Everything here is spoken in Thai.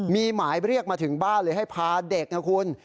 มีหมายเรียกมาถึงบ้านเลยให้พาเด็กนะคุณ